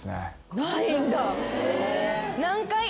ないんだ。